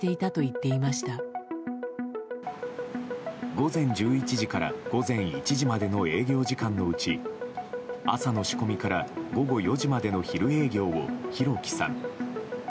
午前１１時から午後１時までの営業時間のうち朝の仕込みから午後４時までの昼営業を弘輝さん